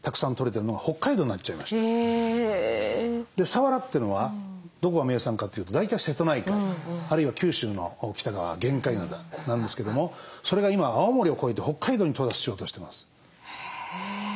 さわらというのはどこが名産かというと大体瀬戸内海あるいは九州の北側玄界灘なんですけどもそれが今青森を越えて北海道に到達しようとしてます。